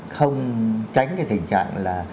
không tránh cái tình trạng là